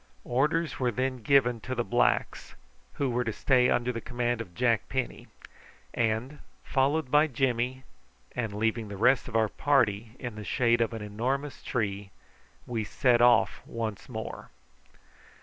Orders were then given to the blacks, who were to stay under the command of Jack Penny, and, followed by Jimmy, and leaving the rest of our party in the shade of an enormous tree, we set off once more.